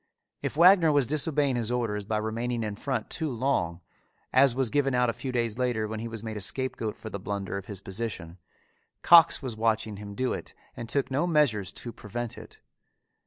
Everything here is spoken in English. If Wagner was disobeying his orders by remaining in front too long, as was given out a few days later when he was made a scapegoat for the blunder of his position, Cox was watching him do it and took no measures to prevent it.